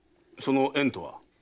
その縁とは？